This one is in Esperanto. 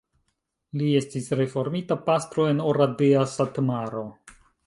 Li estis reformita pastro en Oradea, Satmaro.